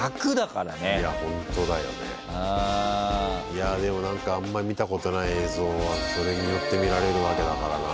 いやでも何かあんまり見たことない映像がそれによって見られるわけだからな。